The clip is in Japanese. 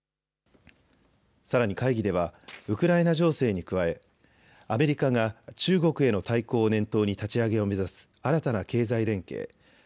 さらに会議ではウクライナ情勢に加え、アメリカが中国への対抗を念頭に立ち上げを目指す新たな経済連携